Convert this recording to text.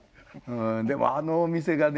でもあの店がね